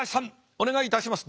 お願いいたします。